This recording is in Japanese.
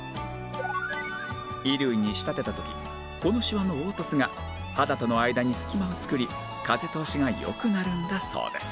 衣類に仕立てた時このシワの凹凸が肌との間に隙間を作り風通しが良くなるんだそうです